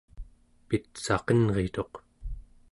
pitsaqenrituq